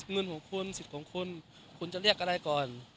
เงิน๖คนสิทธิ์ของคุณคุณจะเรียกอะไรก่อน